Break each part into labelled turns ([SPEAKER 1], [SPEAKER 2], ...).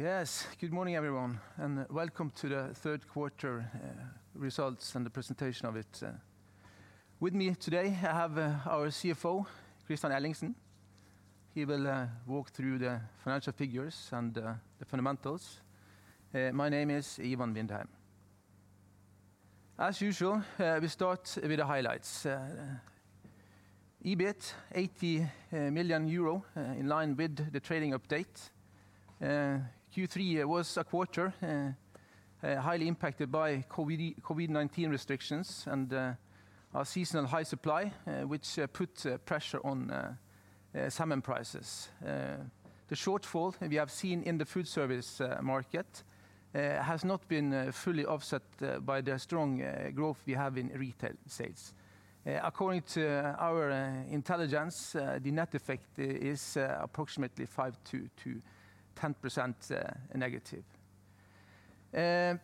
[SPEAKER 1] Yes. Good morning, everyone, and welcome to the third quarter results and the presentation of it. With me today, I have our Chief Financial Officer, Kristian Ellingsen. He will walk through the financial figures and the fundamentals. My name is Ivan Vindheim. As usual, we start with the highlights. EBIT, 80 million euro, in line with the trailing update. Q3 was a quarter highly impacted by COVID-19 restrictions and our seasonal high supply, which put pressure on salmon prices. The shortfall we have seen in the food service market has not been fully offset by the strong growth we have in retail sales. According to our intelligence, the net effect is approximately -5% to -10%.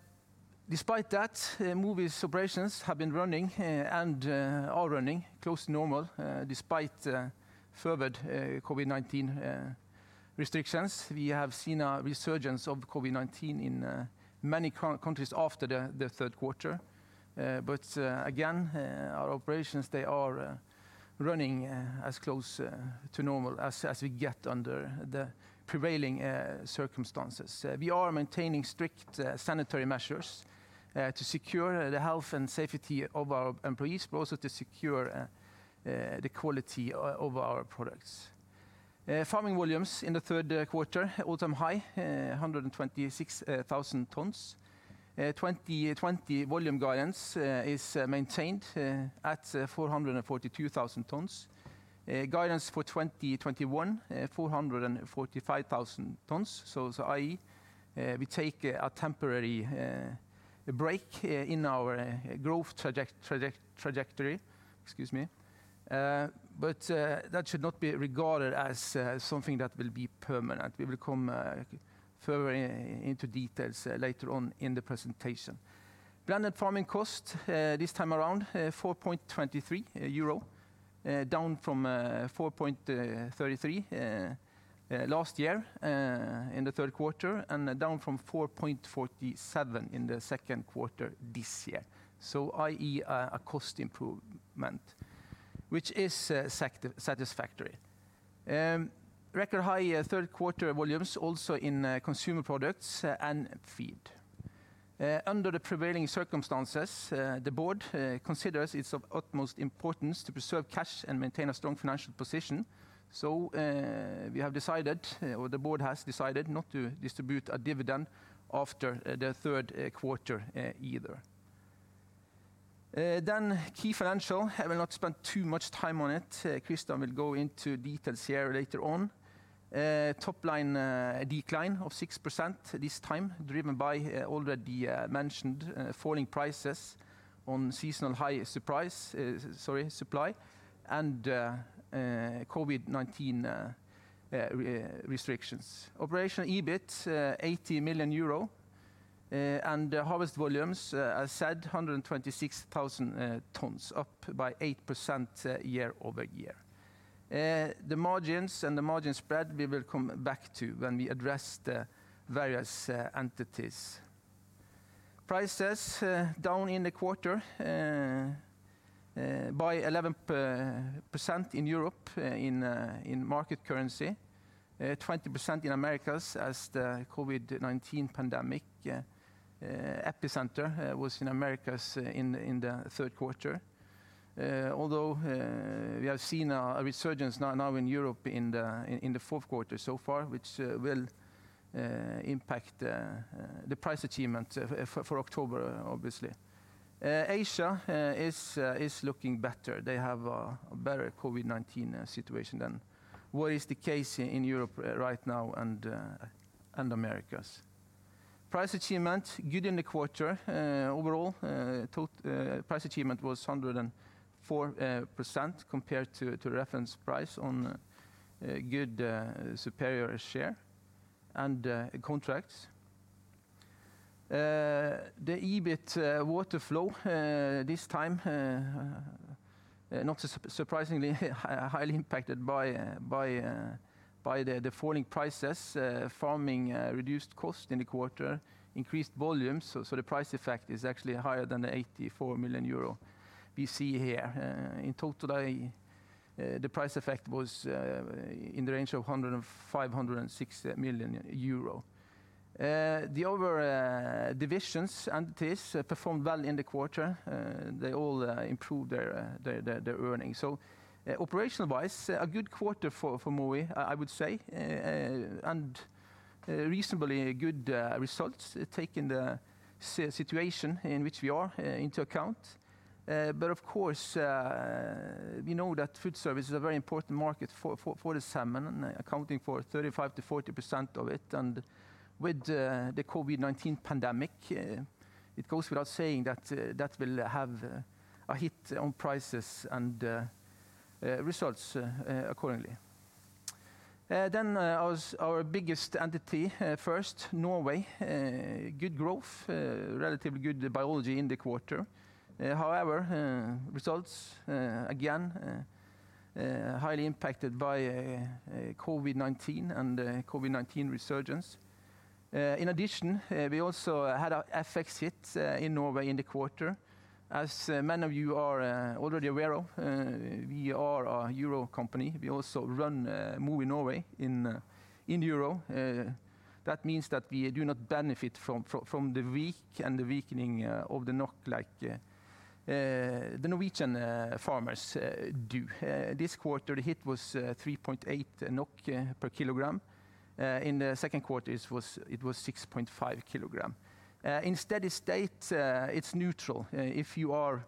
[SPEAKER 1] Despite that, Mowi's operations have been running and are running close to normal despite further COVID-19 restrictions. We have seen a resurgence of COVID-19 in many countries after the third quarter. Again, our operations, they are running as close to normal as we get under the prevailing circumstances. We are maintaining strict sanitary measures to secure the health and safety of our employees, but also to secure the quality of our products. Farming volumes in the third quarter, all time high, 126,000 tons. 2020 volume guidance is maintained at 442,000 tons. Guidance for 2021, 445,000 tons. I.e., we take a temporary break in our growth trajectory. Excuse me. That should not be regarded as something that will be permanent. We will come further into details later on in the presentation. Blended farming cost this time around, 4.23 euro, down from 4.33 last year in the third quarter and down from 4.47 in the second quarter this year. I.e., a cost improvement, which is satisfactory. Record high third quarter volumes also in consumer products and feed. Under the prevailing circumstances, the Board considers it's of utmost importance to preserve cash and maintain a strong financial position. We have decided, or the Board has decided, not to distribute a dividend after the third quarter either. Key financial. I will not spend too much time on it. Kristian will go into details here later on. Top line decline of 6% this time, driven by already mentioned falling prices on seasonal high supply and COVID-19 restrictions. Operational EBIT, 80 million euro. Harvest volumes, as said, 126,000 tons, up by 8% year-over-year. The margins and the margin spread, we will come back to when we address the various entities. Prices down in the quarter by 11% in Europe in market currency, 20% in Americas as the COVID-19 pandemic epicenter was in Americas in the third quarter. Although we have seen a resurgence now in Europe in the fourth quarter so far, which will impact the price achievement for October obviously. Asia is looking better. They have a better COVID-19 situation than what is the case in Europe right now and Americas. Price achievement good in the quarter. Overall, price achievement was 104% compared to reference price on good superior share and contracts. The EBIT water flow this time, not surprisingly, highly impacted by the falling prices. Farming reduced cost in the quarter, increased volumes, so the price effect is actually higher than the 84 million euro we see here. In total, the price effect was in the range of 560 million euro. The other divisions, entities, performed well in the quarter. They all improved their earnings. Operational-wise, a good quarter for Mowi, I would say, and reasonably good results taking the situation in which we are into account. We know that food service is a very important market for the salmon, accounting for 35%-40% of it. With the COVID-19 pandemic, it goes without saying that that will have a hit on prices and results accordingly. Our biggest entity, first, Norway. Good growth, relatively good biology in the quarter. However, results, again highly impacted by COVID-19 and COVID-19 resurgence. In addition, we also had an FX hit in Norway in the quarter. As many of you are already aware of, we are a Euro company. We also run Mowi Norway in Euro. That means that we do not benefit from the weak and the weakening of the Norwegian Krone like the Norwegian farmers do. This quarter, the hit was 3.8 NOK per kg. In the second quarter, it was 6.5 per kg. In steady state, it is neutral if you are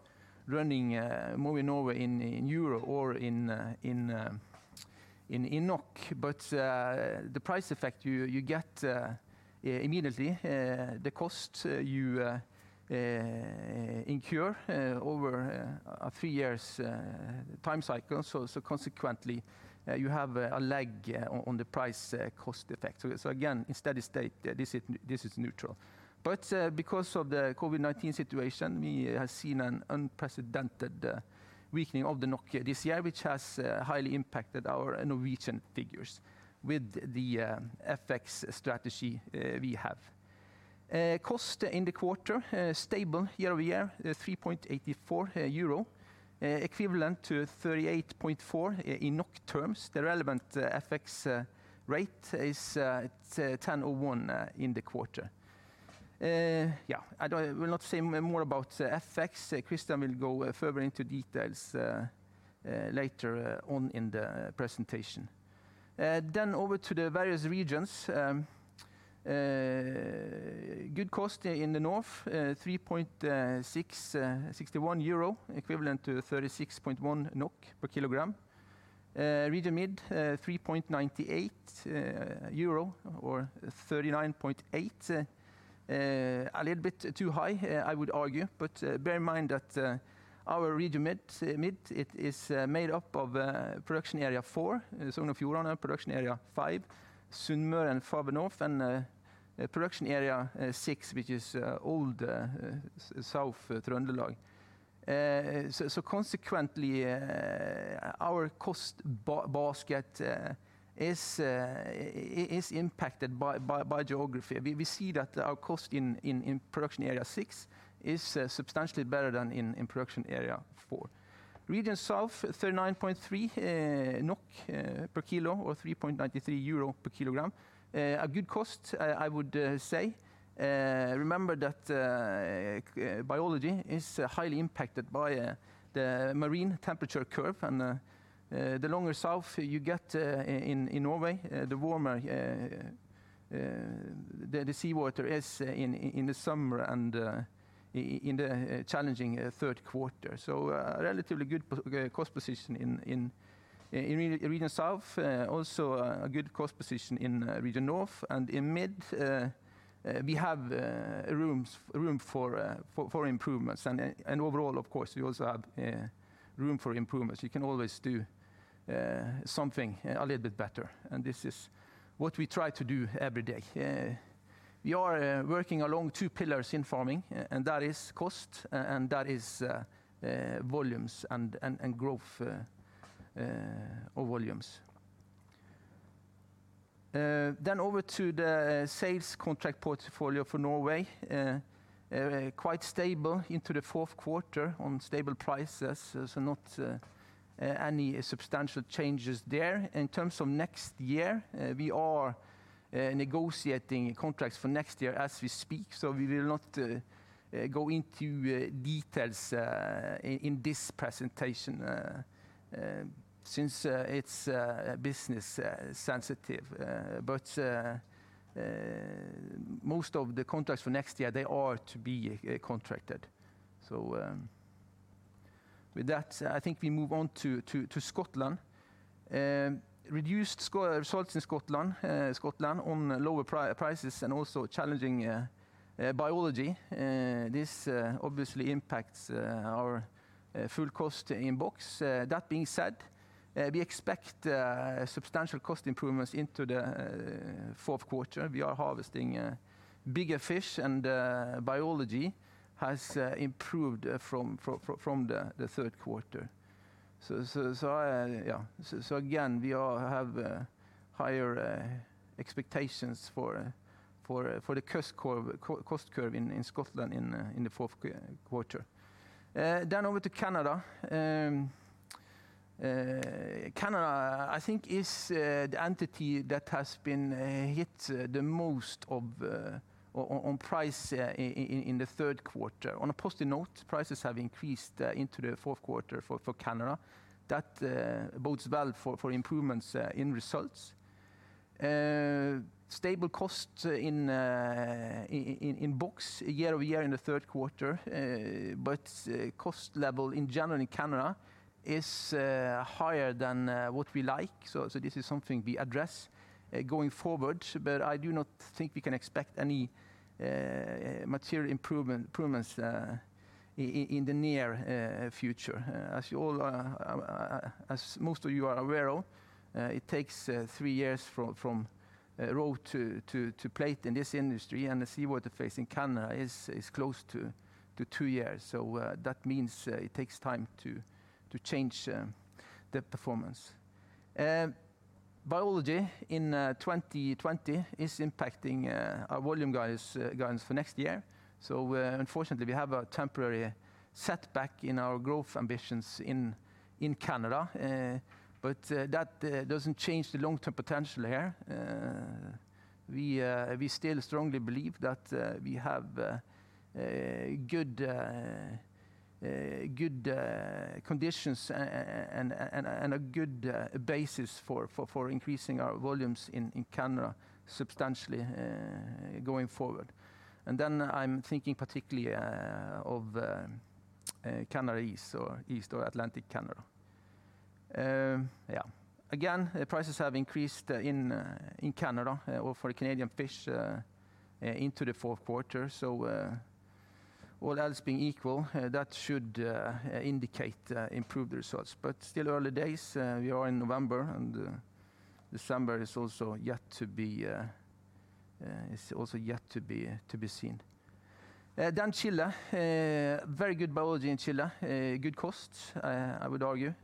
[SPEAKER 1] running Mowi Norway in Euro or in Norwegian Krone. The price effect you get immediately, the cost you incur over a three years time cycle. Consequently, you have a lag on the price cost effect. Again, in steady state, this is neutral. Because of the COVID-19 situation, we have seen an unprecedented weakening of the Norwegian Krone this year, which has highly impacted our Norwegian figures with the FX strategy we have. Cost in the quarter, stable year-over-year, 3.84 euro, equivalent to 38.4. The relevant FX rate is 10.01 in the quarter. I will not say more about FX. Kristian will go further into details later on in the presentation. Over to the various regions. Good cost in the North, 3.61 euro, equivalent to 36.1 NOK per kg. Region Mid, 3.98 euro or 39.8. A little bit too high, I would argue, but bear in mind that our Region Mid, it is made up of Production Area 4, Sogn og Fjordane, Production Area 5, Sunnmøre and Far North, and Production Area 6, which is old South Trøndelag. Consequently, our cost basket is impacted by geography. We see that our cost in Production Area 6 is substantially better than in Production Area 4. Region South, NOK 39.3 per kg or 3.93 euro per kg. A good cost, I would say. Remember that biology is highly impacted by the marine temperature curve, and the longer south you get in Norway, the warmer the seawater is in the summer and in the challenging third quarter. A relatively good cost position in Region South. Also a good cost position in Far North. In Mid, we have room for improvements. Overall, of course, we also have room for improvements. You can always do something a little bit better, and this is what we try to do every day. We are working along two pillars in farming, and that is cost and that is volumes and growth of volumes. Over to the sales contract portfolio for Norway. Quite stable into the fourth quarter on stable prices, so not any substantial changes there. In terms of next year, we are negotiating contracts for next year as we speak, so we will not go into details in this presentation since it's business sensitive. Most of the contracts for next year, they are to be contracted. With that, I think we move on to Scotland. Reduced results in Scotland on lower prices and also challenging biology. This obviously impacts our full cost in box. That being said, we expect substantial cost improvements into the fourth quarter. We are harvesting bigger fish, and biology has improved from the third quarter. Again, we have higher expectations for the cost curve in Scotland in the fourth quarter. Over to Canada. Canada, I think is the entity that has been hit the most on price in the third quarter. On a positive note, prices have increased into the fourth quarter for Canada. That bodes well for improvements in results. Stable costs in box year-over-year in the third quarter, but cost level in general in Canada is higher than what we like. This is something we address going forward, but I do not think we can expect any material improvements in the near future. As most of you are aware of. It takes three years from roe to plate in this industry and the seawater phase in Canada is close to two years. That means it takes time to change the performance. Biology in 2020 is impacting our volume guidance for next year. Unfortunately, we have a temporary setback in our growth ambitions in Canada. That doesn't change the long-term potential here. We still strongly believe that we have good conditions and a good basis for increasing our volumes in Canada substantially going forward. I'm thinking particularly of Canada East or Atlantic Canada. Yeah. Again, prices have increased in Canada or for the Canadian fish into the fourth quarter. All else being equal, that should indicate improved results, but still early days. We are in November, and December is also yet to be seen. Then Chile. Very good biology in Chile. Good cost, I would argue.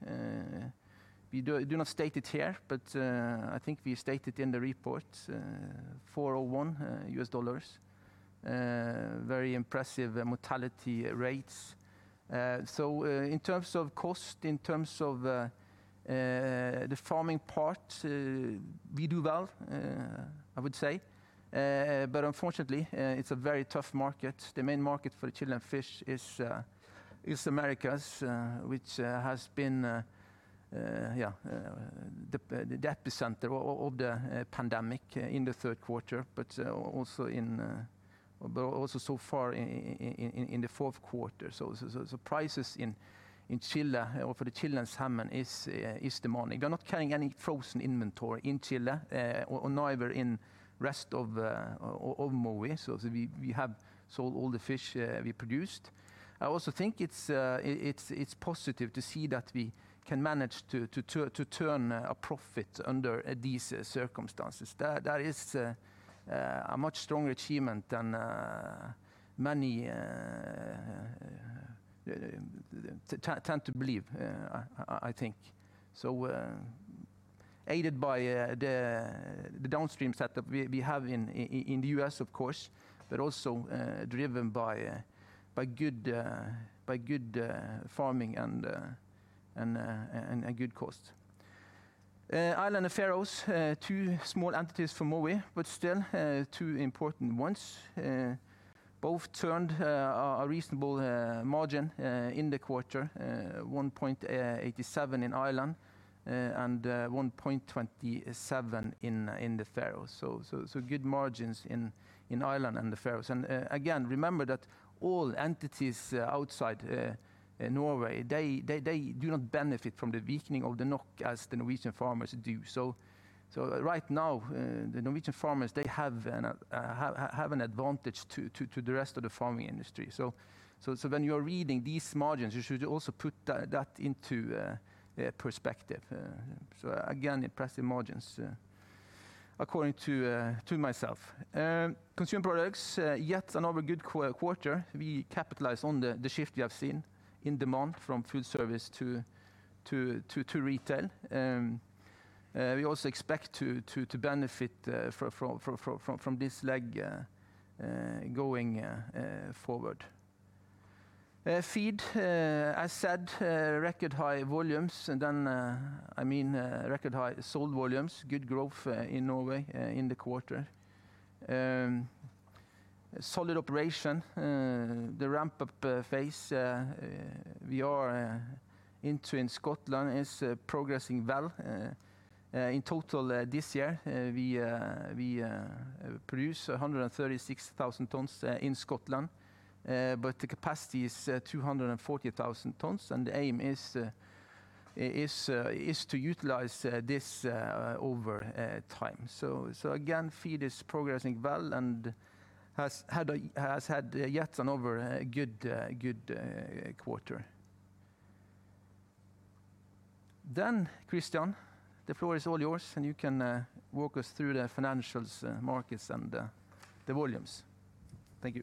[SPEAKER 1] We do not state it here, but I think we state it in the report, $4.01. Very impressive mortality rates. In terms of cost, in terms of the farming part, we do well, I would say. Unfortunately, it's a very tough market. The main market for Chilean fish is East Americas, which has been the epicenter of the pandemic in the third quarter, but also so far in the fourth quarter. Prices for the Chilean salmon is demanding. We are not carrying any frozen inventory in Chile or neither in rest of Mowi. We have sold all the fish we produced. I also think it's positive to see that we can manage to turn a profit under these circumstances. That is a much stronger achievement than many tend to believe, I think. Aided by the downstream setup we have in the U.S., of course, but also driven by good farming and good cost. Ireland and the Faroes, two small entities for Mowi, but still two important ones. Both turned a reasonable margin in the quarter, 1.87 million in Ireland, and 1.27 million In the Faroes. Good margins in Ireland and the Faroes. Again, remember that all entities outside Norway, they do not benefit from the weakening of the Norwegian Krone as the Norwegian farmers do. Right now, the Norwegian farmers, they have an advantage to the rest of the farming industry. When you are reading these margins, you should also put that into perspective. Again, impressive margins according to myself. Consumer products, yet another good quarter. We capitalize on the shift we have seen in demand from food service to retail. We also expect to benefit from this leg going forward. Feed, as said, record high volumes. I mean, record high sold volumes. Good growth in Norway in the quarter. Solid operation. The ramp-up phase we are into in Scotland is progressing well. In total this year, we produce 136,000 tons in Scotland, but the capacity is 240,000 tons and the aim is to utilize this over time. Again, feed is progressing well and has had yet another good quarter. Kristian, the floor is all yours, and you can walk us through the financials, markets and the volumes. Thank you.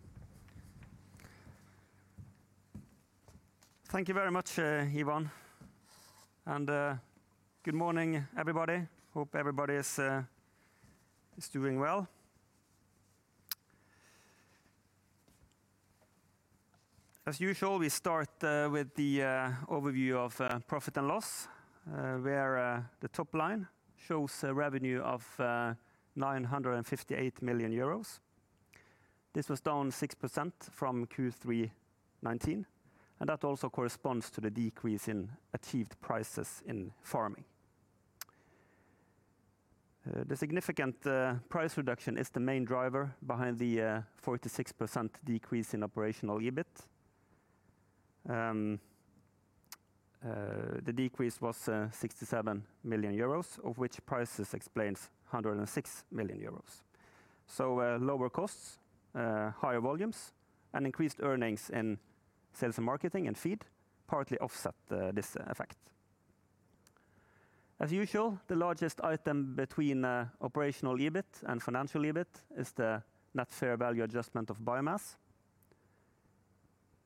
[SPEAKER 2] Thank you very much, Ivan. Good morning everybody? Hope everybody is doing well. As usual, we start with the overview of profit and loss, where the top line shows a revenue of 958 million euros. This was down 6% from Q3 2019, and that also corresponds to the decrease in achieved prices in farming. The significant price reduction is the main driver behind the 46% decrease in operational EBIT. The decrease was 67 million euros, of which prices explains 106 million euros. Lower costs, higher volumes, and increased earnings in sales and marketing and feed partly offset this effect. As usual, the largest item between operational EBIT and financial EBIT is the net fair value adjustment of biomass.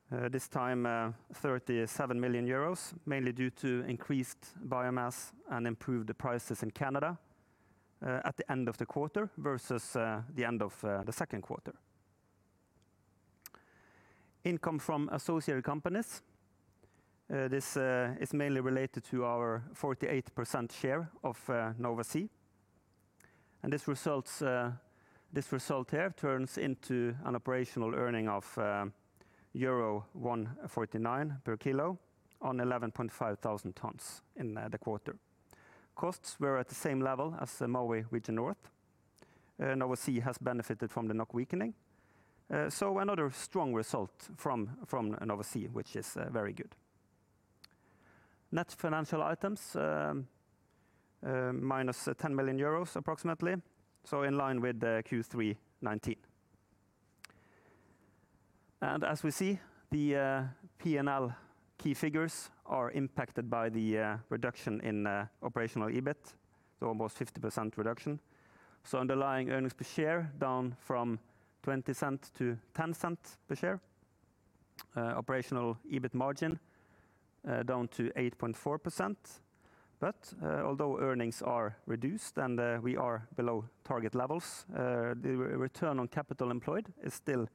[SPEAKER 2] This time, 37 million euros, mainly due to increased biomass and improved prices in Canada at the end of the quarter versus the end of the second quarter. Income from associated companies. This is mainly related to our 48% share of Nova Sea. This result here turns into an operational earning of euro 1.49 per kg on 11,500 tonnes in the quarter. Costs were at the same level as Mowi Region North. Nova Sea has benefited from the NOK weakening. Another strong result from Nova Sea, which is very good. Net financial items, -10 million euros approximately, in line with Q3 2019. As we see, the P&L key figures are impacted by the reduction in operational EBIT, almost 50% reduction. Underlying earnings per share down from 0.20 to 0.10 per share. Operational EBIT margin down to 8.4%. Although earnings are reduced and we are below target levels, the return on capital employed is still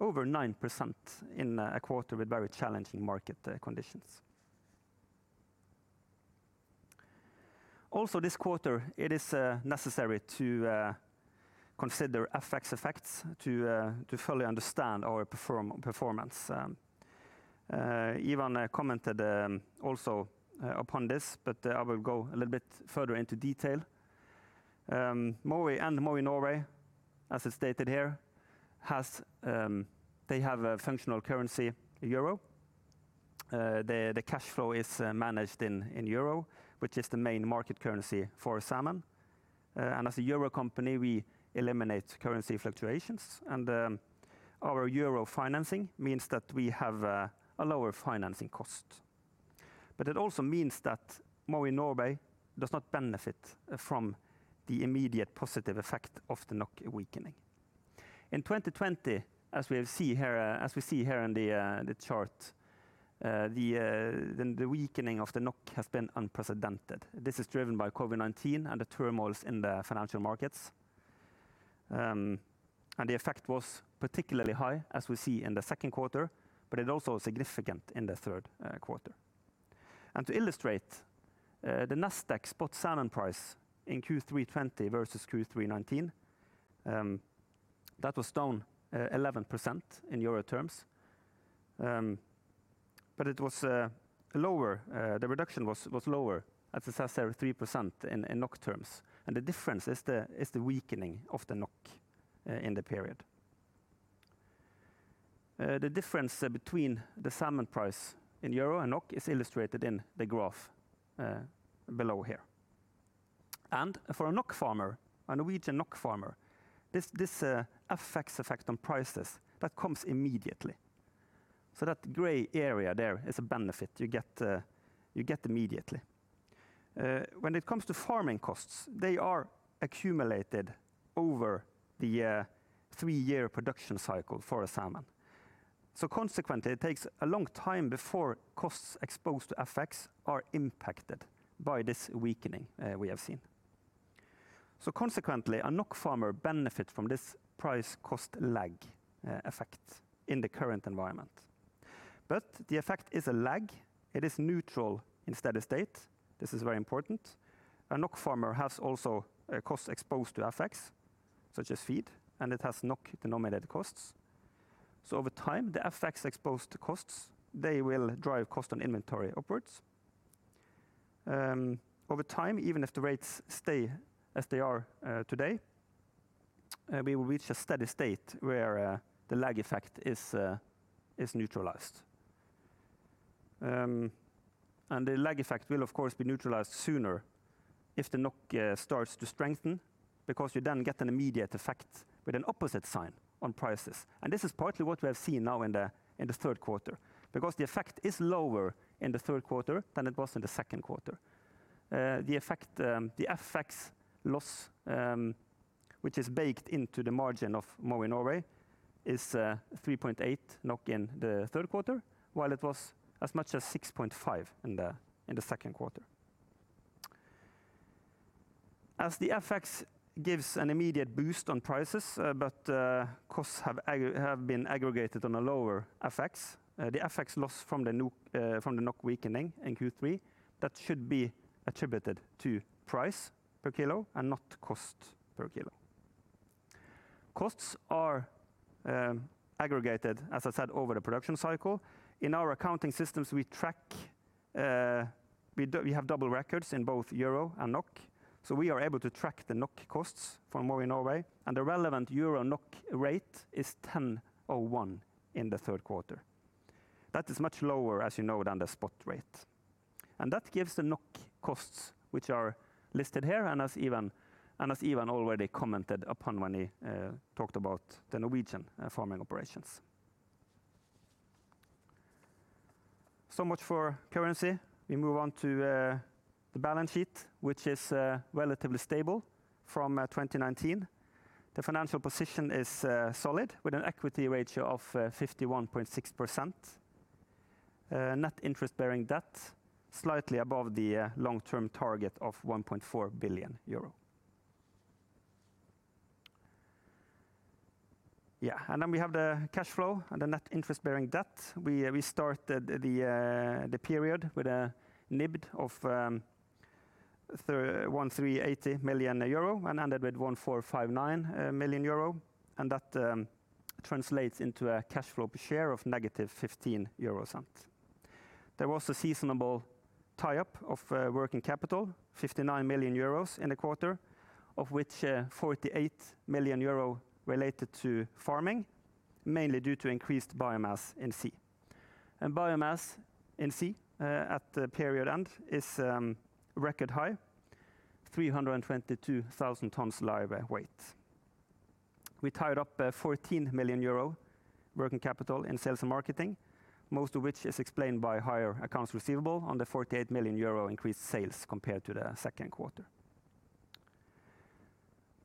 [SPEAKER 2] over 9% in a quarter with very challenging market conditions. Also this quarter, it is necessary to consider FX effects to fully understand our performance. Ivan commented also upon this. I will go a little bit further into detail. Mowi and Mowi Norway, as is stated here, they have a functional currency, Euro. The cash flow is managed in Euro, which is the main market currency for salmon. As a Euro company, we eliminate currency fluctuations, and our Euro financing means that we have a lower financing cost. It also means that Mowi Norway does not benefit from the immediate positive effect of the Norwegian Krone weakening. In 2020, as we see here in the chart, the weakening of the Norwegian Krone has been unprecedented. This is driven by COVID-19 and the turmoils in the financial markets. The effect was particularly high, as we see in the second quarter, but it also was significant in the third quarter. To illustrate, the NASDAQ spot salmon price in Q3 2020 versus Q3 2019, that was down 11% in Euro terms. The reduction was lower, at 3% in Norwegian Krone terms. The difference is the weakening of the Norwegian Krone in the period. The difference between the salmon price in Euro and Norwegian Krone is illustrated in the graph below here. For a Norwegian Krone farmer, a Norwegian Norwegian Krone farmer, this FX effect on prices, that comes immediately. That gray area there is a benefit you get immediately. When it comes to farming costs, they are accumulated over the three-year production cycle for a salmon. Consequently, it takes a long time before costs exposed to FX are impacted by this weakening we have seen. Consequently, a Norwegian Krone farmer benefits from this price cost lag effect in the current environment. The effect is a lag. It is neutral in steady state. This is very important. A Norwegian Krone farmer has also a cost exposed to FX, such as feed, and it has Norwegian Krone-denominated costs. Over time, the FX-exposed costs, they will drive cost on inventory upwards. Over time, even if the rates stay as they are today, we will reach a steady state where the lag effect is neutralized. The lag effect will of course be neutralized sooner if the Norwegian Krone starts to strengthen, because you then get an immediate effect with an opposite sign on prices. This is partly what we have seen now in the third quarter. The effect is lower in the third quarter than it was in the second quarter. The FX loss, which is baked into the margin of Mowi Norway, is 3.8 NOK in the third quarter, while it was as much as 6.5 in the second quarter. The FX gives an immediate boost on prices, but costs have been aggregated on a lower FX, the FX loss from the Norwegian Krone weakening in Q3, that should be attributed to price per kilo and not cost per kilo. Costs are aggregated, as I said, over the production cycle. In our accounting systems, we have double records in both euro and Norwegian Krone, so we are able to track the Norwegian Krone costs for Mowi Norway, and the relevant euro-Norwegian Krone rate is 10.01 in the third quarter. That is much lower, as you know, than the spot rate. That gives the Norwegian Krone costs which are listed here and as Ivan already commented upon when he talked about the Norwegian farming operations. Much for currency. We move on to the balance sheet, which is relatively stable from 2019. The financial position is solid, with an equity ratio of 51.6%. Net interest-bearing debt, slightly above the long-term target of 1.4 billion euro. Yeah. Then we have the cash flow and the net interest-bearing debt. We started the period with a NIBD of 1,380 million euro and ended with 1,459 million euro, and that translates into a cash flow per share of -0.15. There was a seasonal tie-up of working capital, 59 million euros in the quarter, of which 48 million euro related to farming, mainly due to increased biomass in sea. Biomass in sea at the period end is record high, 322,000 tonnes live weight. We tied up 14 million euro working capital in sales and marketing, most of which is explained by higher accounts receivable on the 48 million euro increased sales compared to the second quarter.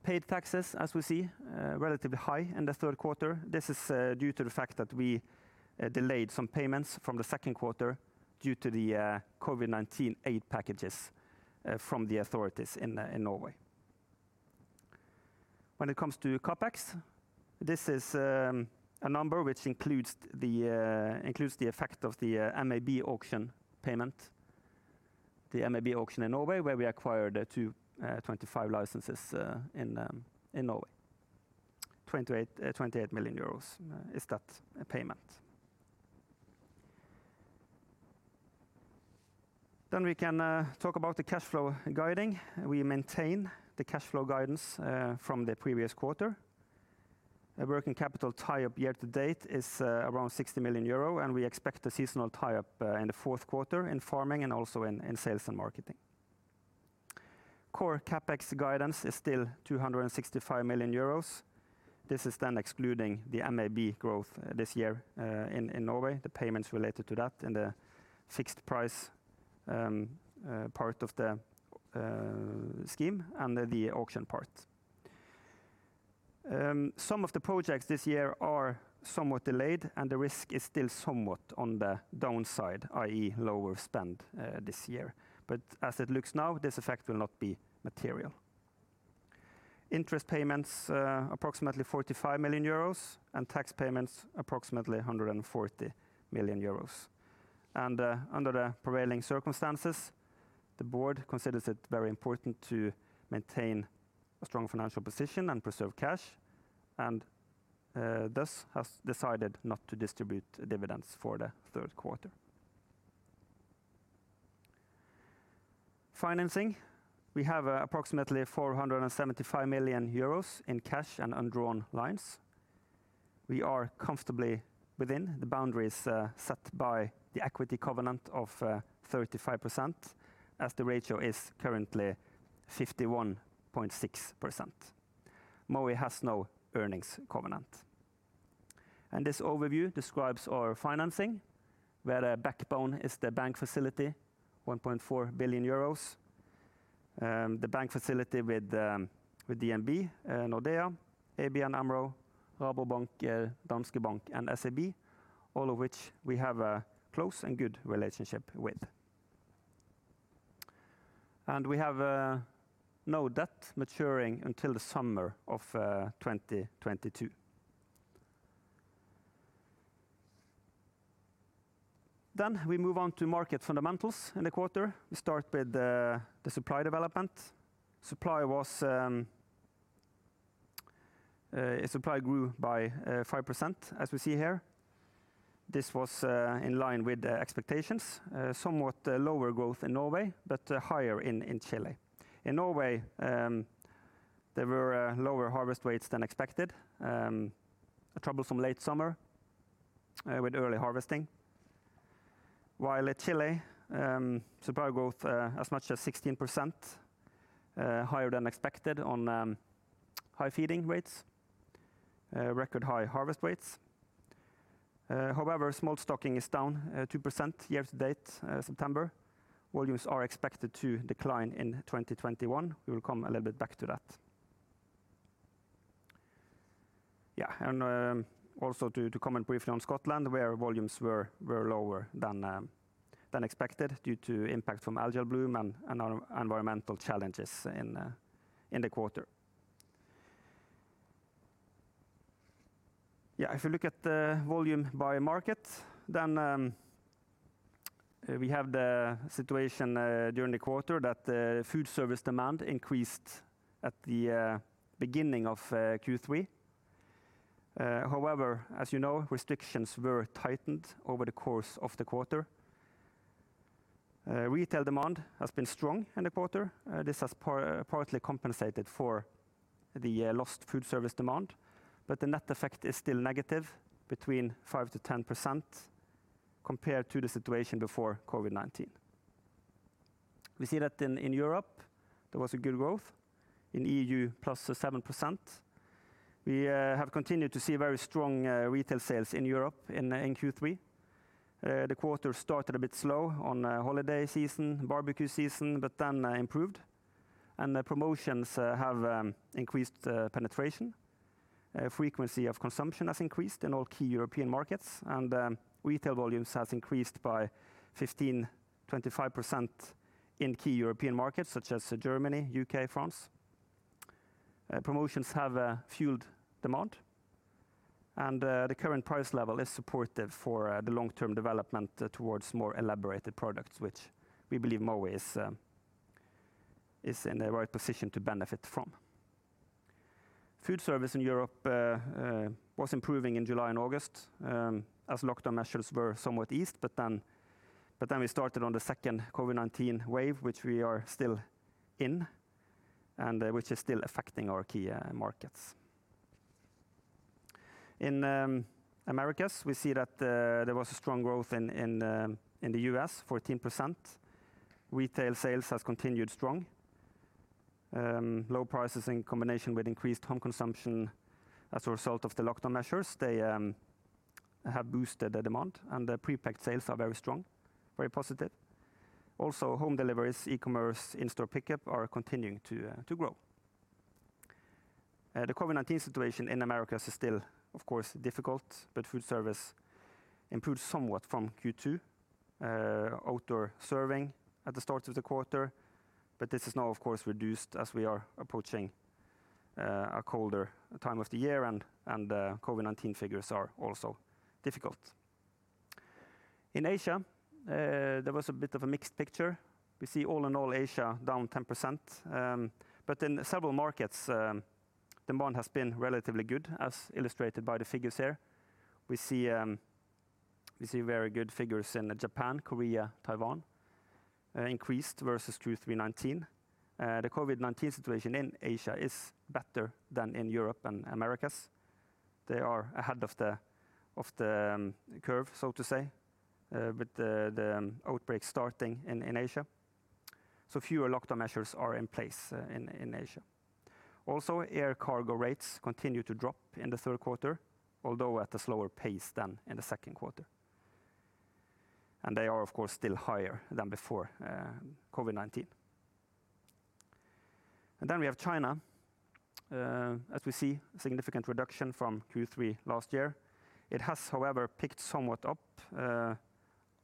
[SPEAKER 2] Paid taxes, as we see, relatively high in the third quarter. This is due to the fact that we delayed some payments from the second quarter due to the COVID-19 aid packages from the authorities in Norway. When it comes to CapEx, this is a number which includes the effect of the MAB auction payment. The MAB auction in Norway, where we acquired 2025 licenses in Norway. 28 million euros is that payment. We can talk about the cash flow guiding. We maintain the cash flow guidance from the previous quarter. Working capital tie-up year to date is around 60 million euro. We expect a seasonal tie-up in the fourth quarter in farming and also in sales and marketing. Core CapEx guidance is still 265 million euros. This is then excluding the MAB growth this year in Norway, the payments related to that in the fixed price part of the scheme and the auction part. Some of the projects this year are somewhat delayed. The risk is still somewhat on the downside, i.e. lower spend this year. As it looks now, this effect will not be material. Interest payments approximately 45 million euros. Tax payments approximately 140 million euros. Under the prevailing circumstances, the Board considers it very important to maintain a strong financial position and preserve cash, and thus has decided not to distribute dividends for the third quarter. Financing. We have approximately 475 million euros in cash and undrawn lines. We are comfortably within the boundaries set by the equity covenant of 35%, as the ratio is currently 51.6%. Mowi has no earnings covenant. This overview describes our financing, where the backbone is the bank facility, 1.4 billion euros. The bank facility with DNB, Nordea, ABN Amro, Rabobank, Danske Bank, and SEB, all of which we have a close and good relationship with. We have no debt maturing until the summer of 2022. We move on to market fundamentals in the quarter. We start with the supply development. Supply grew by 5%, as we see here. This was in line with expectations. Somewhat lower growth in Norway, but higher in Chile. In Norway, there were lower harvest weights than expected. A troublesome late summer with early harvesting. While in Chile, supply growth as much as 16% higher than expected on high feeding rates. Record-high harvest rates. Smolt stocking is down 2% year-to-date, September. Volumes are expected to decline in 2021. We will come a little bit back to that. Also to comment briefly on Scotland, where volumes were lower than expected due to impact from algal bloom and environmental challenges in the quarter. If you look at the volume by market, we have the situation during the quarter that the food service demand increased at the beginning of Q3. As you know, restrictions were tightened over the course of the quarter. Retail demand has been strong in the quarter. This has partly compensated for the lost food service demand, but the net effect is still negative, between -5% to -10% compared to the situation before COVID-19. We see that in Europe, there was good growth, in E.U. +7%. We have continued to see very strong retail sales in Europe in Q3. The quarter started a bit slow on holiday season, barbecue season, but then improved, and the promotions have increased penetration. Frequency of consumption has increased in all key European markets, and retail volumes have increased by 15%-25% in key European markets such as Germany, U.K., France. Promotions have fueled demand, and the current price level is supportive for the long-term development towards more elaborated products, which we believe Mowi is in the right position to benefit from. Food service in Europe was improving in July and August as lockdown measures were somewhat eased. Then we started on the second COVID-19 wave, which we are still in, and which is still affecting our key markets. In Americas, we see that there was a strong growth in the U.S., 14%. Retail sales have continued strong. Low prices in combination with increased home consumption as a result of the lockdown measures, they have boosted the demand, and the prepacked sales are very strong, very positive. Also, home deliveries, e-commerce, in-store pickup are continuing to grow. The COVID-19 situation in Americas is still, of course, difficult, but food service improved somewhat from Q2. Outdoor serving at the start of the quarter, but this is now, of course, reduced as we are approaching a colder time of the year, and COVID-19 figures are also difficult. In Asia, there was a bit of a mixed picture. We see all in all, Asia down 10%, but in several markets, demand has been relatively good, as illustrated by the figures here. We see very good figures in Japan, Korea, Taiwan, increased versus Q3 2019. The COVID-19 situation in Asia is better than in Europe and Americas. They are ahead of the curve, so to say, with the outbreak starting in Asia. Fewer lockdown measures are in place in Asia. Also, air cargo rates continued to drop in the third quarter, although at a slower pace than in the second quarter. They are, of course, still higher than before COVID-19. We have China. As we see, a significant reduction from Q3 last year. It has, however, picked somewhat up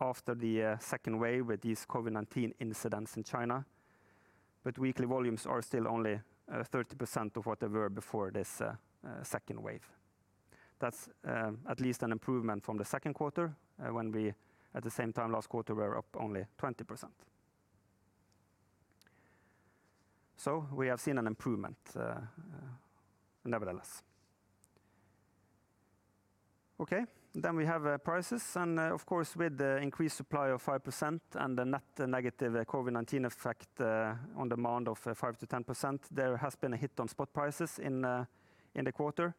[SPEAKER 2] after the second wave with these COVID-19 incidents in China. Weekly volumes are still only 30% of what they were before this second wave. That's at least an improvement from the second quarter when we, at the same time last quarter, were up only 20%. We have seen an improvement nevertheless. Okay. We have prices, and of course, with the increased supply of 5% and the net negative COVID-19 effect on demand of 5%-10%, there has been a hit on spot prices in the quarter.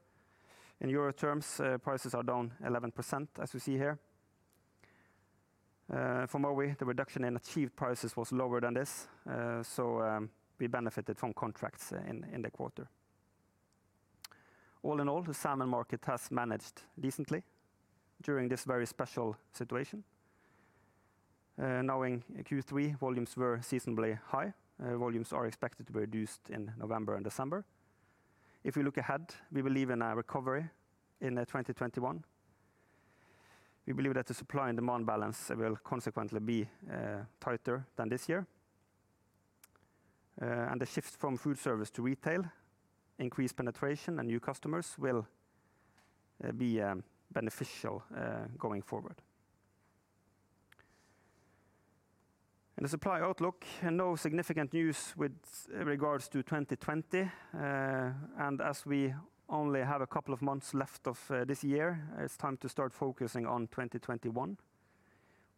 [SPEAKER 2] In Euro terms, prices are down 11%, as we see here. For Mowi, the reduction in achieved prices was lower than this, so we benefited from contracts in the quarter. All in all, the salmon market has managed decently during this very special situation. Knowing Q3 volumes were seasonably high, volumes are expected to be reduced in November and December. If we look ahead, we believe in a recovery in 2021. We believe that the supply and demand balance will consequently be tighter than this year. The shift from food service to retail, increased penetration, and new customers will be beneficial going forward. In the supply outlook, no significant news with regards to 2020. As we only have a couple of months left of this year, it's time to start focusing on 2021.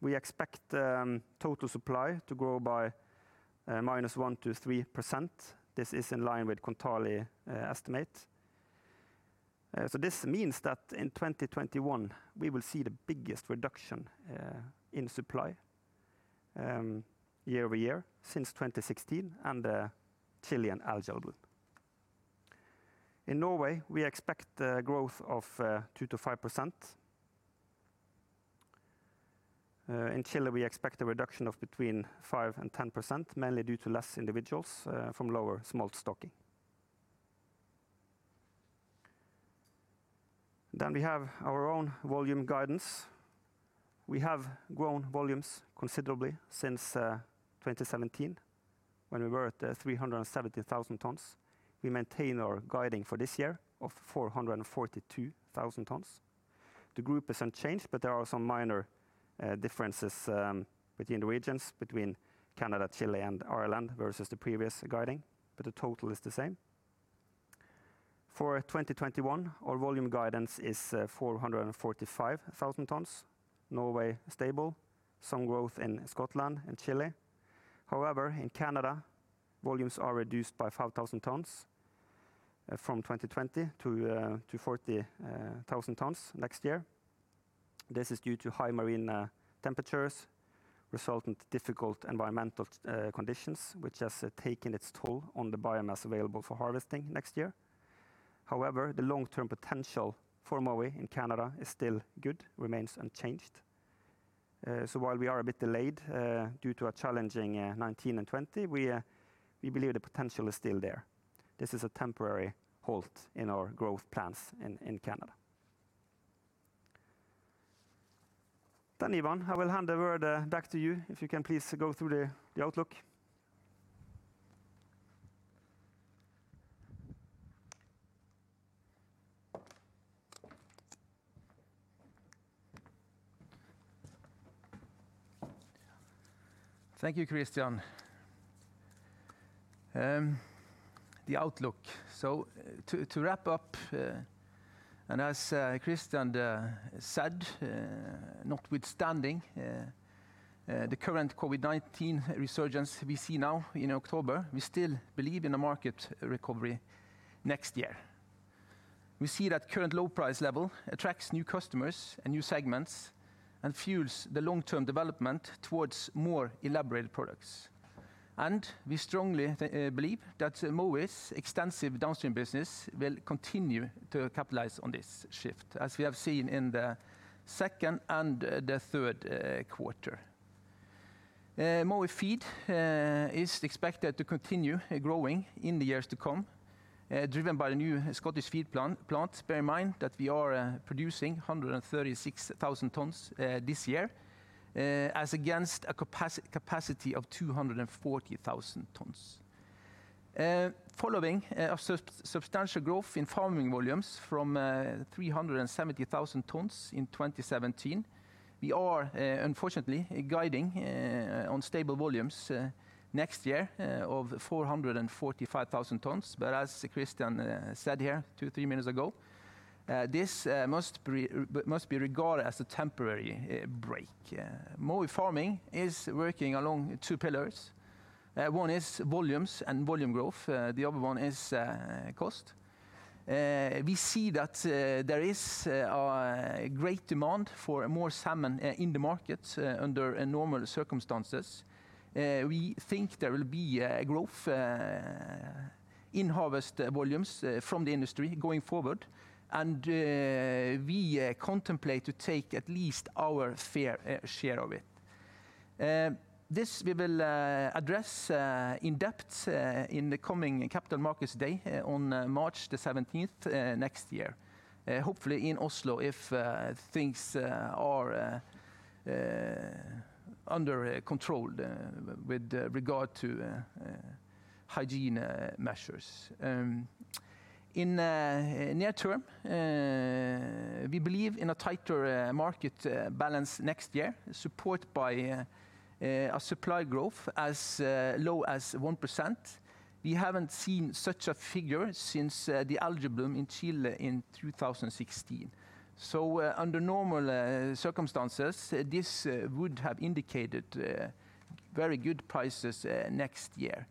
[SPEAKER 2] We expect total supply to grow by -1% to 3%. This is in line with Kontali estimate. This means that in 2021, we will see the biggest reduction in supply year over year since 2016 and the Chilean algae bloom. In Norway, we expect growth of 2%-5%. In Chile, we expect a reduction of between 5% and 10%, mainly due to less individuals from lower smolt stocking. We have our own volume guidance. We have grown volumes considerably since 2017 when we were at 370,000 tons. We maintain our guiding for this year of 442,000 tons. The group is unchanged, but there are some minor differences within the regions between Canada, Chile, and Ireland versus the previous guiding, but the total is the same. For 2021, our volume guidance is 445,000 tons. Norway stable, some growth in Scotland and Chile. In Canada, volumes are reduced by 5,000 tons from 2020 to 40,000 tons next year. This is due to high marine temperatures resulting in difficult environmental conditions, which has taken its toll on the biomass available for harvesting next year. The long-term potential for Mowi in Canada is still good, remains unchanged. While we are a bit delayed due to a challenging 2019 and 2020, we believe the potential is still there. This is a temporary halt in our growth plans in Canada. Ivan, I will hand the word back to you if you can please go through the outlook.
[SPEAKER 1] Thank you, Kristian. The outlook. To wrap up, as Kristian said, notwithstanding the current COVID-19 resurgence we see now in October, we still believe in a market recovery next year. We see that current low price level attracts new customers and new segments and fuels the long-term development towards more elaborate products. We strongly believe that Mowi's extensive downstream business will continue to capitalize on this shift, as we have seen in the second and the third quarter. Mowi Feed is expected to continue growing in the years to come, driven by the new Scottish feed plant. Bear in mind that we are producing 136,000 tons this year as against a capacity of 240,000 tons. Following a substantial growth in farming volumes from 370,000 tons in 2017, we are unfortunately guiding on stable volumes next year of 445,000 tons. As Kristian said here two, three minutes ago, this must be regarded as a temporary break. Mowi Farming is working along two pillars. One is volumes and volume growth, the other one is cost. We see that there is a great demand for more salmon in the market under normal circumstances. We think there will be growth in harvest volumes from the industry going forward, and we contemplate to take at least our fair share of it. This we will address in depth in the coming Capital Markets Day on March 17th next year. Hopefully in Oslo if things are under control with regard to hygiene measures. In near term, we believe in a tighter market balance next year, supported by a supply growth as low as 1%. We haven't seen such a figure since the algal bloom in Chile in 2016. Under normal circumstances, this would have indicated very good prices next year.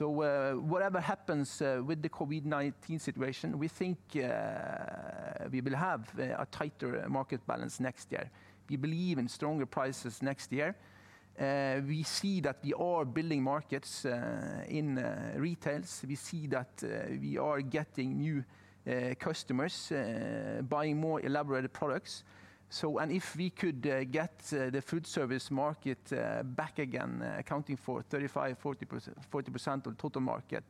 [SPEAKER 1] Whatever happens with the COVID-19 situation, we think we will have a tighter market balance next year. We believe in stronger prices next year. We see that we are building markets in retails. We see that we are getting new customers buying more elaborated products. If we could get the food service market back again, accounting for 35%-40% of total market,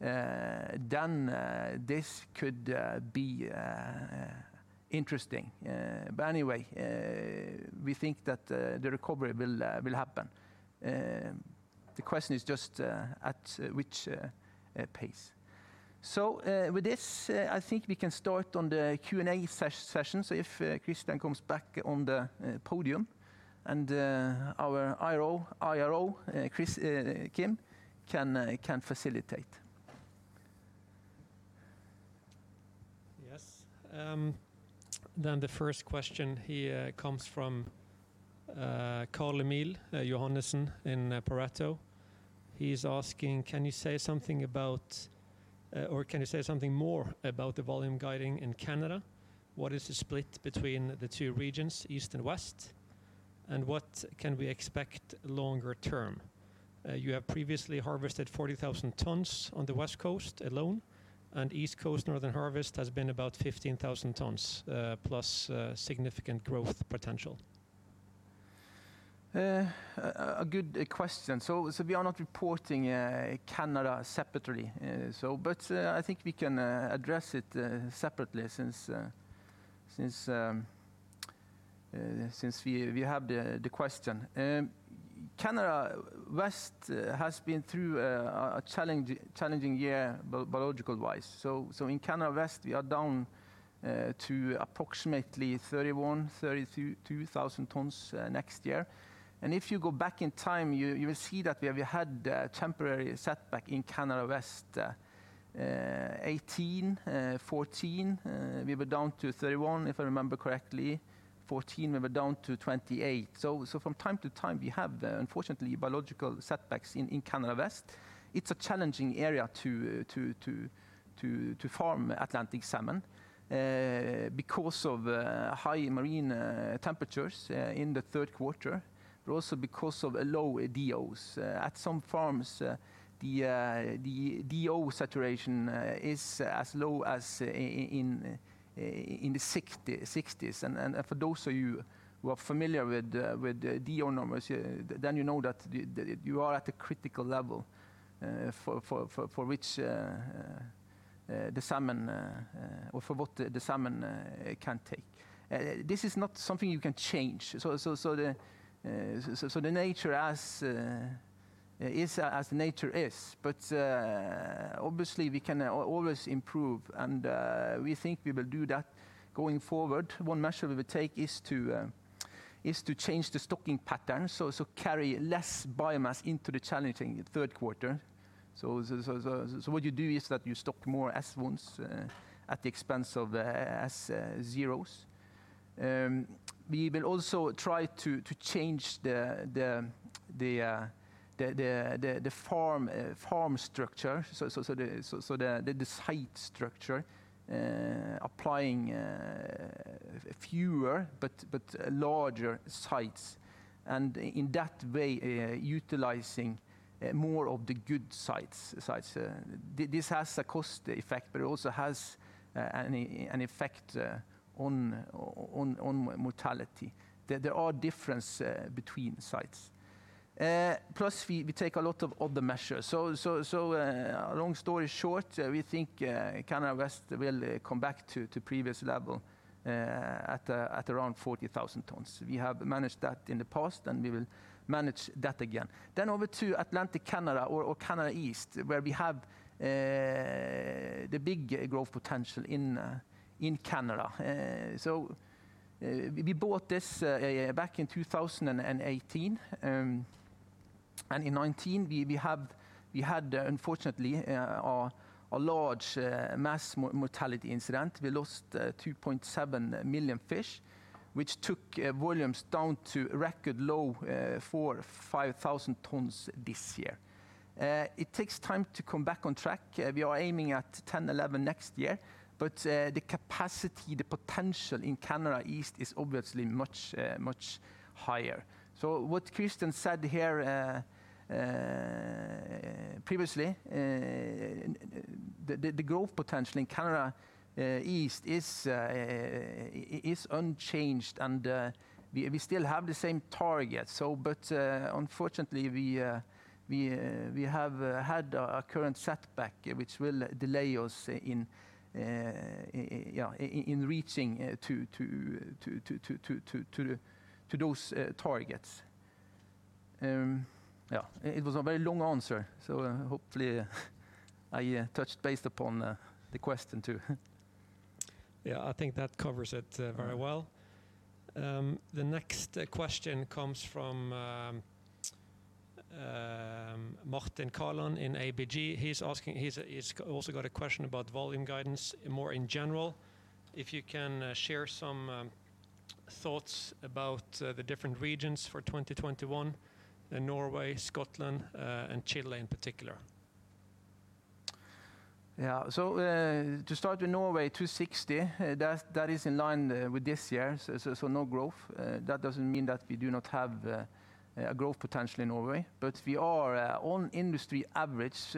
[SPEAKER 1] then this could be interesting. Anyway, we think that the recovery will happen. The question is just at which pace. With this, I think we can start on the Q&A session. If Kristian comes back on the podium and our Investor Relations Officer, Kim, can facilitate.
[SPEAKER 3] Yes. The first question here comes from Carl Emil Johannessen in Pareto. He's asking, can you say something more about the volume guiding in Canada? What is the split between the two regions, East and West? What can we expect longer term? You have previously harvested 40,000 tons on the West Coast alone, and East Coast Northern Harvest has been about 15,000 tons, plus significant growth potential.
[SPEAKER 1] A good question. We are not reporting Canada separately. I think we can address it separately since we have the question. Canada West has been through a challenging year biological-wise. In Canada West, we are down to approximately 31,000 tons-32,000 tons next year. If you go back in time, you will see that we have had a temporary setback in Canada West, 2018, 2014. We were down to 31,000 tons, if I remember correctly. 2014, we were down to 28,000 tons. From time to time, we have, unfortunately, biological setbacks in Canada West. It's a challenging area to farm Atlantic salmon because of high marine temperatures in the third quarter, but also because of low DOs. At some farms, the DO saturation is as low as in the 60s. For those of you who are familiar with the DO numbers, you know that you are at a critical level for what the salmon can take. This is not something you can change. The nature as nature is. Obviously we can always improve, and we think we will do that going forward. One measure we will take is to change the stocking pattern, so carry less biomass into the challenging third quarter. What you do is that you stock more S1 at the expense of S0. We will also try to change the farm structure, so the site structure, applying fewer but larger sites. In that way, utilizing more of the good sites. This has a cost effect, but it also has an effect on mortality. There are difference between sites. Plus, we take a lot of other measures. Long story short, we think Canada West will come back to previous level at around 40,000 tons. We have managed that in the past, and we will manage that again. Over to Atlantic Canada or Canada East, where we have the big growth potential in Canada. We bought this back in 2018. In 2019, we had unfortunately, a large mass mortality incident. We lost 2.7 million fish, which took volumes down to a record low 4,000 tons-5,000 tons this year. It takes time to come back on track. We are aiming at 10,000 tons-11,000 tons next year. The capacity, the potential in Canada East is obviously much higher. What Kristian said here previously, the growth potential in Canada East is unchanged, and we still have the same target. Unfortunately, we have had a current setback, which will delay us in reaching to those targets. Yeah, it was a very long answer. Hopefully I touched base upon the question, too.
[SPEAKER 3] Yeah, I think that covers it very well. The next question comes from Martin Kaland in ABG. He's also got a question about volume guidance more in general. If you can share some thoughts about the different regions for 2021 in Norway, Scotland, and Chile in particular.
[SPEAKER 1] Yeah. To start with Norway, 260,000 tons, that is in line with this year. No growth. That doesn't mean that we do not have a growth potential in Norway. We are on industry average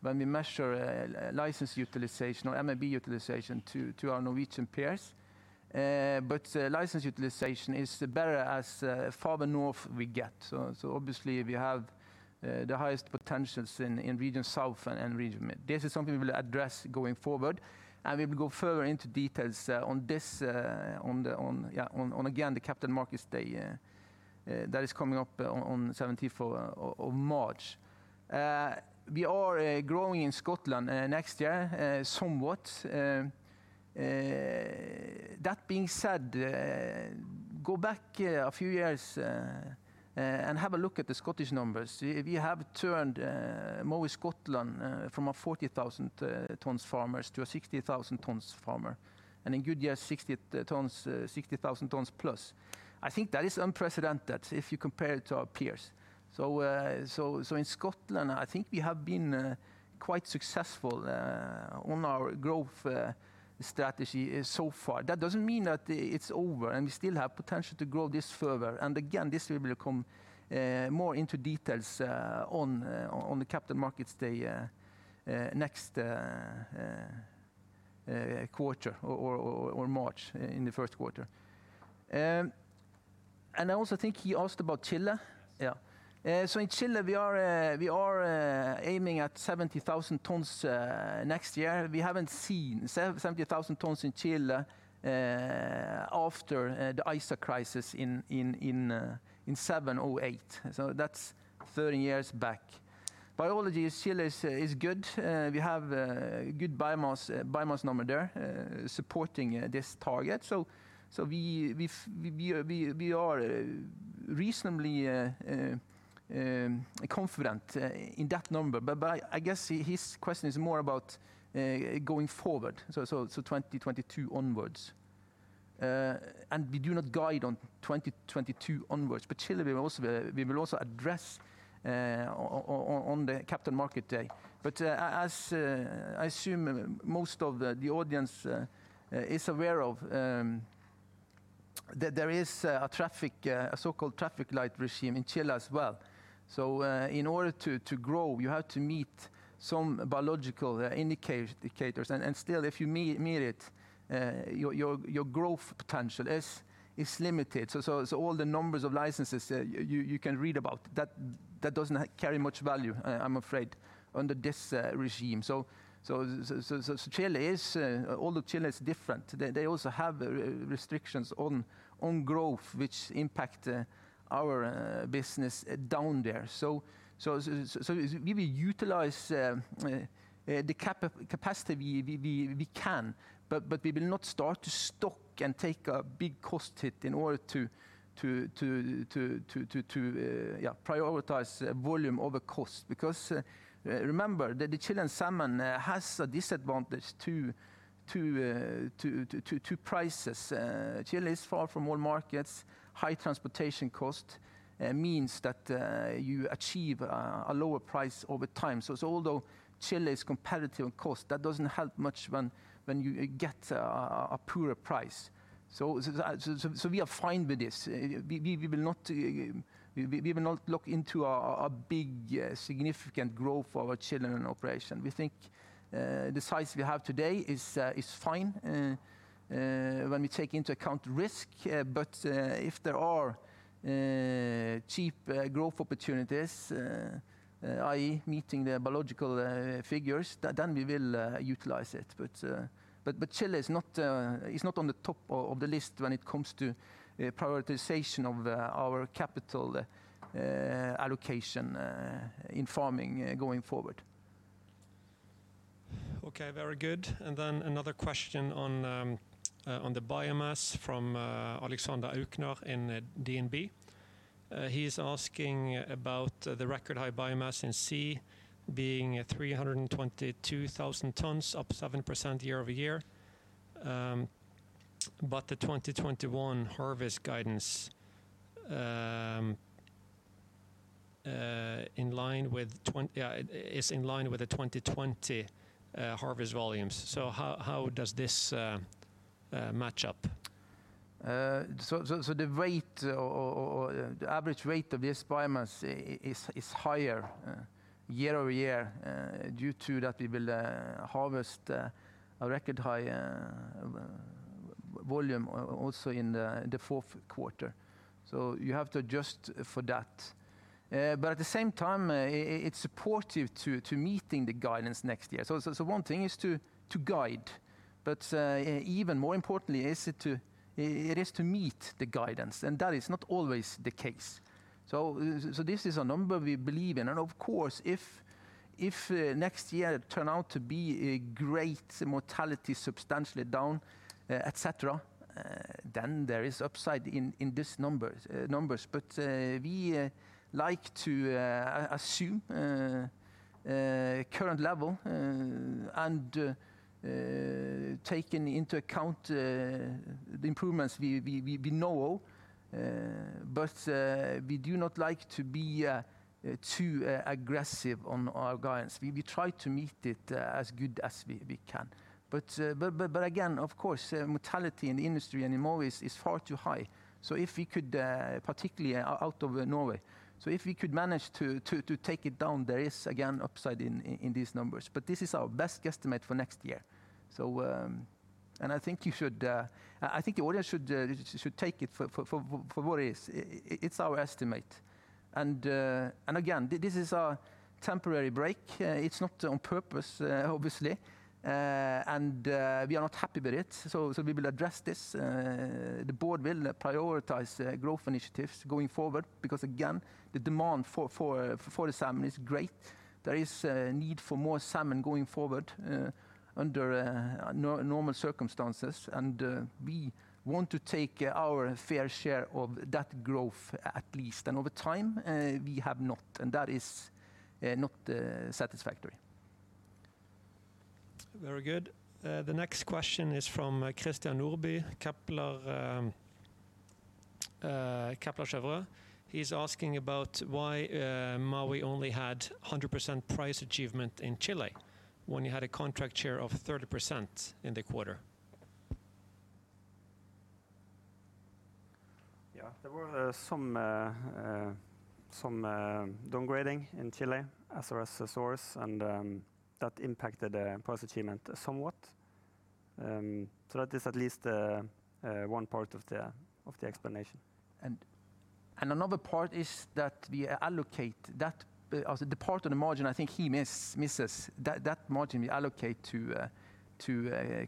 [SPEAKER 1] when we measure license utilization or MAB utilization to our Norwegian peers. License utilization is better as farther north we get. Obviously we have the highest potentials in region south and region mid. This is something we will address going forward, and we will go further into details on this on, again, the Capital Markets Day that is coming up on March 17. We are growing in Scotland next year somewhat. That being said, go back a few years and have a look at the Scottish numbers. We have turned Mowi Scotland from a 40,000 tons farmer to a 60,000 tons farmer, and in good years, 60,000 tons plus. I think that is unprecedented if you compare it to our peers. In Scotland, I think we have been quite successful on our growth strategy so far. That doesn't mean that it's over, and we still have potential to grow this further. Again, this we will come more into details on the Capital Markets Day next quarter or March, in the first quarter. I also think he asked about Chile?
[SPEAKER 3] Yes.
[SPEAKER 1] In Chile, we are aiming at 70,000 tons next year. We haven't seen 70,000 tons in Chile after the ISA crisis in 2007, 2008. That's 13 years back. Biology in Chile is good. We have a good biomass number there supporting this target. We are reasonably confident in that number. I guess his question is more about going forward, 2022 onwards. We do not guide on 2022 onwards. Chile, we will also address on the Capital Markets Day. As I assume most of the audience is aware of, that there is a so-called traffic light regime in Chile as well. In order to grow, you have to meet some biological indicators. Still, if you meet it, your growth potential is limited. All the numbers of licenses you can read about, that doesn't carry much value, I'm afraid, under this regime. Although Chile is different, they also have restrictions on growth, which impact our business down there. We will utilize the capacity we can, but we will not start to stock and take a big cost hit in order to prioritize volume over cost. Remember that the Chilean salmon has a disadvantage to prices. Chile is far from all markets. High transportation cost means that you achieve a lower price over time. Although Chile is competitive on cost, that doesn't help much when you get a poorer price. We are fine with this. We will not look into a big, significant growth for our Chilean operation. We think the size we have today is fine when we take into account risk. If there are cheap growth opportunities, i.e. meeting the biological figures, then we will utilize it. Chile is not on the top of the list when it comes to prioritization of our capital allocation in farming going forward.
[SPEAKER 3] Okay, very good. Another question on the biomass from Alexander Aukner in DNB. He is asking about the record high biomass in sea being 322,000 tons, up 7% year-over-year. The 2021 harvest guidance is in line with the 2020 harvest volumes. How does this match up?
[SPEAKER 1] The average weight of this biomass is higher year-over-year due to that we will harvest a record high volume also in the fourth quarter. You have to adjust for that. At the same time, it's supportive to meeting the guidance next year. One thing is to guide, but even more importantly it is to meet the guidance, and that is not always the case. This is a number we believe in. Of course, if next year turn out to be great, mortality substantially down, et cetera, then there is upside in these numbers. We like to assume current level and taking into account the improvements we know of. We do not like to be too aggressive on our guidance. We try to meet it as good as we can. Again, of course, mortality in the industry and in Mowi is far too high, particularly out of Norway. If we could manage to take it down, there is again upside in these numbers. This is our best guesstimate for next year. I think the audience should take it for what it is. It's our estimate. Again, this is a temporary break. It's not on purpose, obviously. We are not happy with it, so we will address this. The Board will prioritize growth initiatives going forward because, again, the demand for the salmon is great. There is a need for more salmon going forward under normal circumstances, and we want to take our fair share of that growth at least. Over time, we have not, and that is not satisfactory.
[SPEAKER 3] Very good. The next question is from Christian Nordby, Kepler Cheuvreux. He is asking about why Mowi only had 100% price achievement in Chile when you had a contract share of 30% in the quarter.
[SPEAKER 2] Yeah. There were some downgrading in Chile as a resource, and that impacted price achievement somewhat. That is at least one part of the explanation.
[SPEAKER 1] Another part is that we allocate the part of the margin I think he misses, that margin we allocate to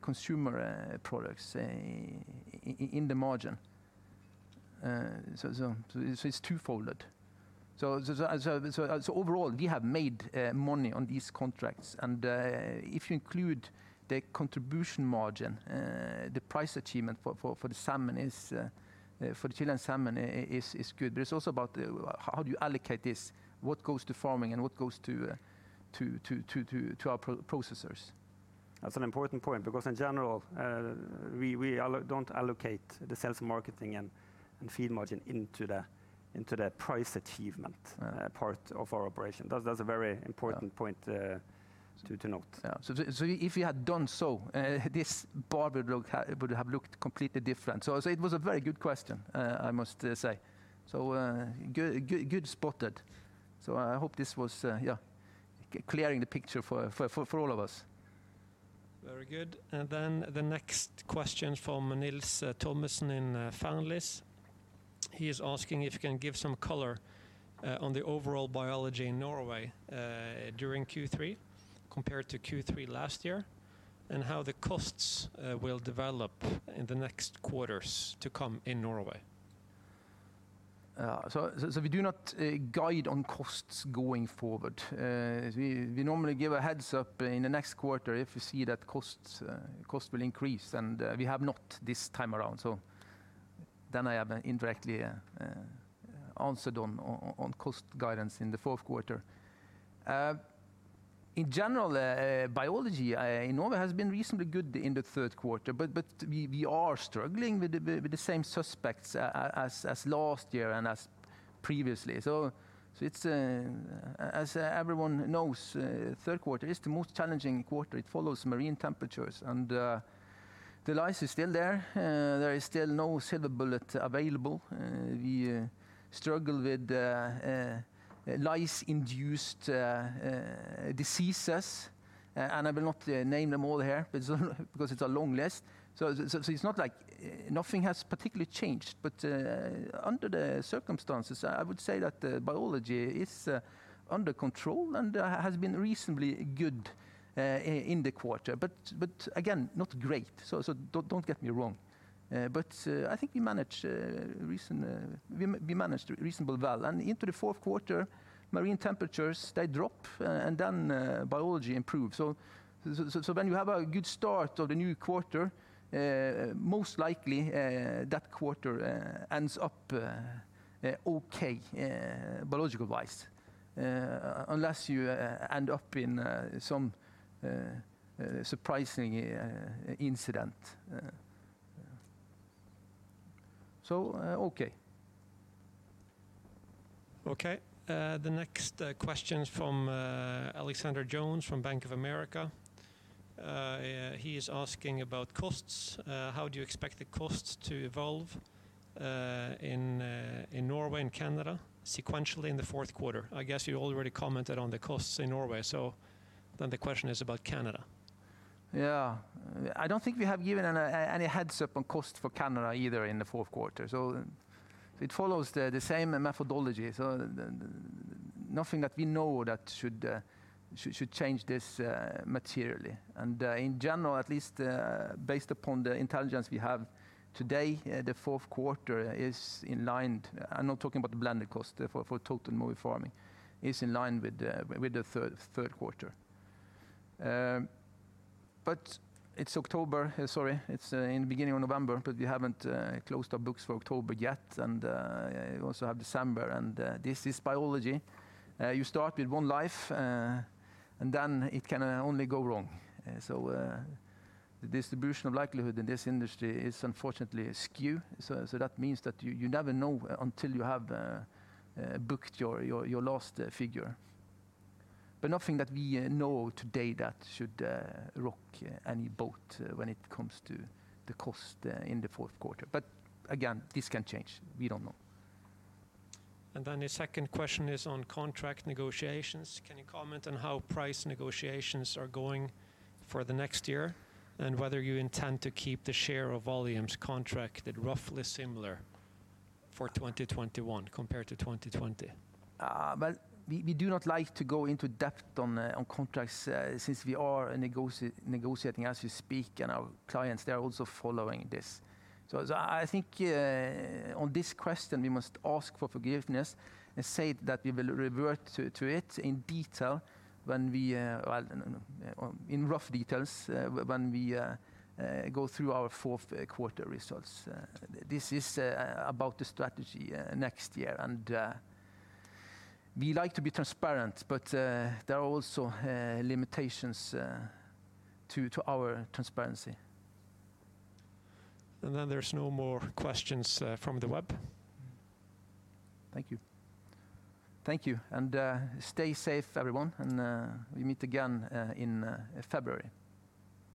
[SPEAKER 1] consumer products in the margin. It's two-fold. Overall, we have made money on these contracts. If you include the contribution margin, the price achievement for the Chilean salmon is good. It's also about how do you allocate this, what goes to farming and what goes to our processors.
[SPEAKER 2] That's an important point because, in general, we don't allocate the sales and marketing and feed margin into the price achievement part of our operation. That's a very important point to note.
[SPEAKER 1] Yeah. If you had done so, this bar would have looked completely different. It was a very good question, I must say. Good spotted. I hope this was clearing the picture for all of us.
[SPEAKER 3] Very good. The next question from Nils Thomassen in Fearnleys. He is asking if you can give some color on the overall biology in Norway during Q3 compared to Q3 last year, and how the costs will develop in the next quarters to come in Norway.
[SPEAKER 1] We do not guide on costs going forward. We normally give a heads-up in the next quarter if we see that costs will increase, and we have not this time around. I have indirectly answered on cost guidance in the fourth quarter. In general, biology in Norway has been reasonably good in the third quarter, but we are struggling with the same suspects as last year and as previously. As everyone knows, third quarter is the most challenging quarter. It follows marine temperatures, and the lice is still there. There is still no silver bullet available. We struggle with lice-induced diseases. I will not name them all here because it's a long list. It's not like nothing has particularly changed. Under the circumstances, I would say that the biology is under control and has been reasonably good in the quarter. Again, not great. Don't get me wrong. I think we managed reasonably well. Into the fourth quarter, marine temperatures, they drop, and then biology improves. When you have a good start of the new quarter, most likely that quarter ends up okay biology-wise, unless you end up in some surprising incident. Okay.
[SPEAKER 3] Okay. The next question's from Alexander Jones from Bank of America. He is asking about costs. How do you expect the costs to evolve in Norway and Canada sequentially in the fourth quarter? I guess you already commented on the costs in Norway. The question is about Canada.
[SPEAKER 1] Yeah. I do not think we have given any heads-up on cost for Canada either in the fourth quarter. It follows the same methodology. Nothing that we know that should change this materially. In general, at least based upon the intelligence we have today, the fourth quarter is in line. I am not talking about the blended cost for total Mowi Farming. It is in line with the third quarter. It is October, sorry, it is in the beginning of November, but we have not closed our books for October yet, and we also have December. This is biology. You start with one life, and then it can only go wrong. The distribution of likelihood in this industry is unfortunately skewed. That means that you never know until you have booked your last figure. Nothing that we know today that should rock any boat when it comes to the cost in the fourth quarter. Again, this can change. We don't know.
[SPEAKER 3] The second question is on contract negotiations. Can you comment on how price negotiations are going for the next year and whether you intend to keep the share of volumes contracted roughly similar for 2021 compared to 2020?
[SPEAKER 1] We do not like to go into depth on contracts since we are negotiating as we speak, and our clients, they are also following this. I think on this question, we must ask for forgiveness and say that we will revert to it in rough details when we go through our fourth quarter results. This is about the strategy next year. We like to be transparent, but there are also limitations to our transparency.
[SPEAKER 3] There's no more questions from the web.
[SPEAKER 1] Thank you. Thank you, and stay safe, everyone, and we meet again in February.